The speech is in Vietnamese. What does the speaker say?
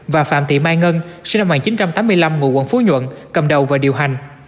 và phạm thị mai ngân sinh năm một nghìn chín trăm tám mươi năm ngụ quận phú nhuận cầm đầu và điều hành